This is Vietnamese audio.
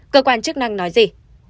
cơ quan chức năng nói gì